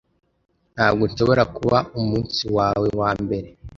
Ntabwo nshobora kuba umunsi wawe wa mbere